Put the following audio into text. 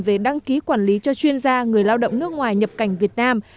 về đăng ký quản lý cho chuyên gia người lao động nước ngoài nhập cảnh việt nam